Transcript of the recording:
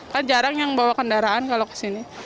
kan jarang yang bawa kendaraan kalau ke sini